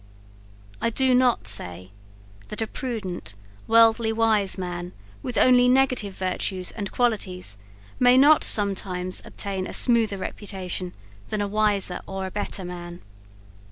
I do not say, that a prudent, worldly wise man, with only negative virtues and qualities, may not sometimes obtain a smoother reputation than a wiser or a better man.